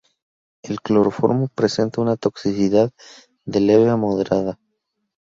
El cloroformo presenta una toxicidad de leve a moderada.